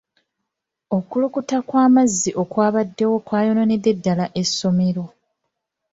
Okukulukuta kw'amazzi okwabaddewo kwayonoonedde ddaala essomero.